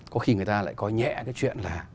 có khi người ta lại có nhẹ cái chuyện là